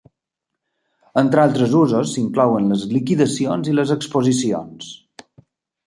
Entre altres usos s'inclouen les liquidacions i les exposicions.